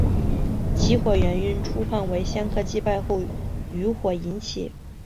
起火原因初判为香客祭拜后余火引起。